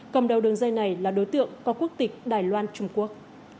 cầm đầu đường dây này là đối tượng có quốc tịch đài loan trung quốc